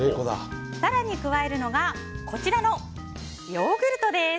更に加えるのがこちらのヨーグルトです。